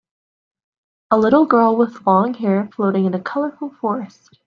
A little girl with long hair floating in a colorful forrest